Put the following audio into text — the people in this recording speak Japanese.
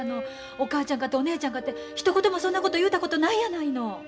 お母ちゃんかてお姉ちゃんかてひと言もそんなこと言うたことないやないの！